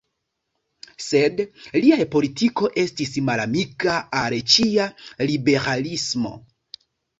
Sed liaj politiko estis malamika al ĉia liberalismo.